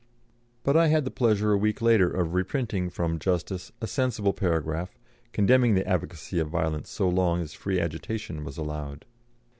But I had the pleasure, a week later, of reprinting from Justice a sensible paragraph, condemning the advocacy of violence so long as free agitation was allowed.